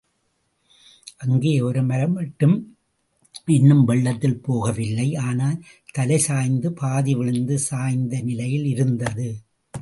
அங்கே ஒரு மரம் மட்டும் இன்னும் வெள்ளத்தில் போகவில்லை ஆனால், தலைசாய்ந்து பாதி விழுந்து சாய்ந்த நிலையிலே இருந்தது.